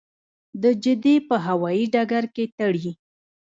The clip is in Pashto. د جدې په هوايي ډګر کې تړي.